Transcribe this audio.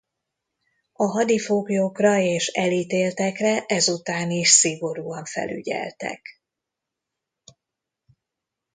A hadifoglyokra és elítéltekre ezután is szigorúan felügyeltek.